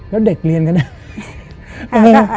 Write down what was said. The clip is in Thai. แล้วเด็กเรียนก็ได้